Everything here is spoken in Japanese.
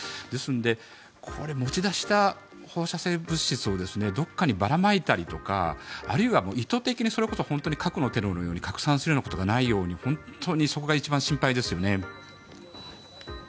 ですので、これ持ち出した放射性物質をどこかにばらまいたりとかあるいは意図的にそれこそ本当に核のテロのように拡散するようなことがないように本当にそこが一番心配です。